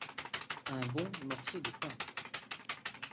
Un bon morceau de pain.